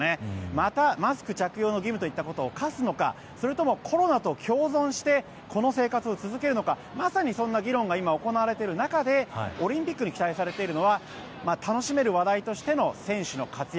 また、マスク着用の義務を課すのかそれともコロナと共存してこの生活を続けるのかまさにそんな議論が行われている中でオリンピックに期待されているのは楽しめる話題としての選手の活躍